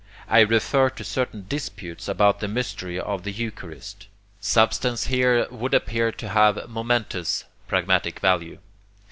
I refer to certain disputes about the mystery of the Eucharist. Substance here would appear to have momentous pragmatic value.